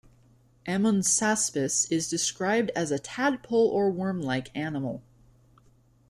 "Emmonsaspis" is described as a tadpole or worm-like animal.